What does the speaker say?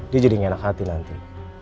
dia jadinya enak hati nanti